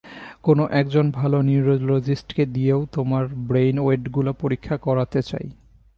কোনো এক জন ভালো নিউরোলজিস্টকে দিয়েও তোমার ব্রেইন ওয়েডগুলো পরীক্ষা করাতে চাই।